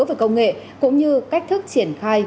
về công nghệ cũng như cách thức triển khai